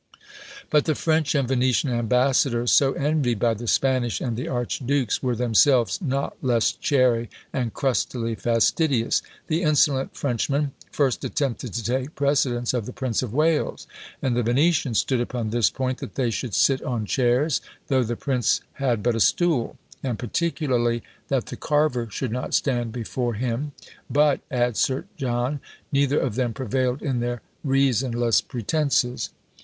But the French and Venetian ambassadors, so envied by the Spanish and the archduke's, were themselves not less chary, and crustily fastidious. The insolent Frenchman first attempted to take precedence of the Prince of Wales; and the Venetian stood upon this point, that they should sit on chairs, though the prince had but a stool; and, particularly, that the carver should not stand before him. "But," adds Sir John, "neither of them prevailed in their reasonless pretences."